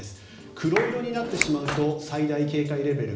黒色になってしまうと最大警戒レベル